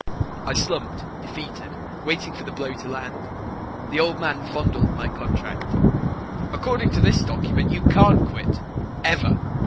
I slumped, defeated, waiting for the blow to land. The Old Man fondled my contract. "According to this document, you can't quit. Ever.